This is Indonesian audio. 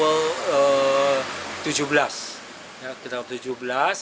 pertama kondisi pendakian di titik tujuh belas